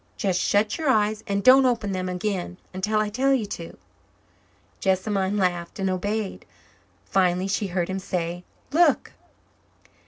Just shut your eyes and don't open them again until I tell you to." Jessamine laughed and obeyed. Finally she heard him say, "Look."